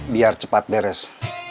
biar cepat beres